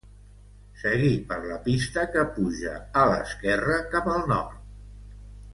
Seguir per la pista que puja a l'esquerra, cap el nord.